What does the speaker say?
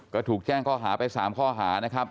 ก็ถูกแจ้งข้อหาไป๓ข้อหานะครับ